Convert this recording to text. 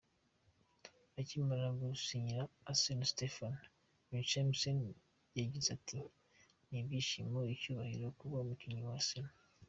Akimara gusinyira Arsenal, Stephan Lichtsteineryagize ati “Ni ibyishimo n’icyubahiro kuba umukinnyi wa Arsenal.